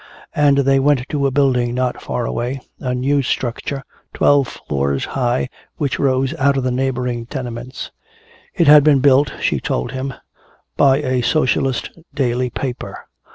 And they went to a building not far away, a new structure twelve floors high which rose out of the neighboring tenements. It had been built, she told him, by a socialist daily paper.